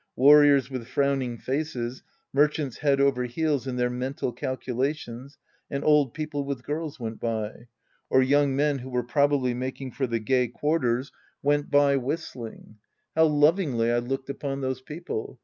Warriors with frowning faces, mer chants head over heels in their mental calculations, and old people with girls went by. Or young men who were probably making for the gay quarters went S'S The Priest and His Disciples Act II by whistling. How lovingly I looked upon those people